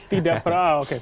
tidak perlu oke